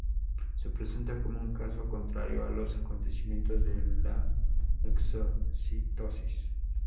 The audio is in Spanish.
Se presenta como un caso contrario a los acontecimientos de la exocitosis.